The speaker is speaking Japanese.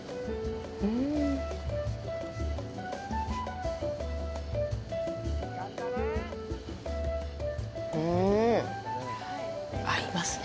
うーん。うーん。合いますね。